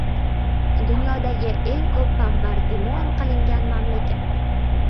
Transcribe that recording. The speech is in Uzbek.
Dunyodagi eng ko‘p bombardimon qilingan mamlakat